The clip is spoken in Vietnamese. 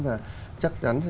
và chắc chắn